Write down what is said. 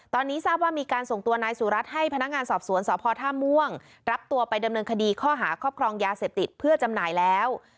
ตอนนี้ทราบว่ามีการส่งตัวนายสุรัตน์ให้พนักงานสอบสวนสพท่าม่วงรับตัวไปดำเนินคดีข้อหาครอบครองยาเสพติดเพื่อจำหน่ายแล้ว